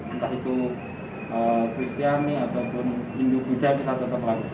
entah itu kristiani ataupun indukudja bisa tetap berlaku